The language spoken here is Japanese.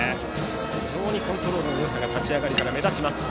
非常にコントロールのよさ立ち上がりから目立ちます。